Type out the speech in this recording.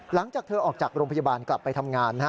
หลังจากเธอออกจากโรงพยาบาลกลับไปทำงาน